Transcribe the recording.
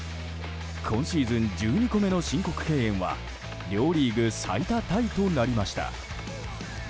今シーズン１２個目の申告敬遠は両リーグ最多タイとなりました。